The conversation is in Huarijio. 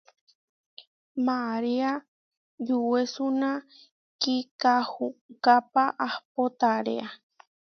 María yuwésuna kikahúkápa ahpó taréa.